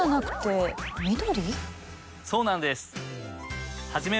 そうなんです！